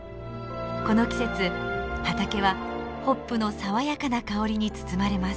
この季節畑はホップの爽やかな香りに包まれます。